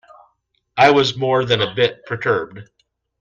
I was more than a bit perturbed.